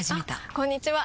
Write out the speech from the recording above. あこんにちは！